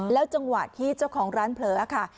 จังหวะที่เจ้าของร้านเผลอค่ะ